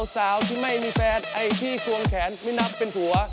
สาวที่ไม่มีแฟนไอ้ที่ควงแขนไม่นับเป็นผัว